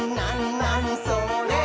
なにそれ？」